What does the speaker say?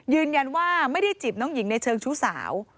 ยืนยันว่าไม่ได้จีบน้องหญิงในเชิงชู้สาว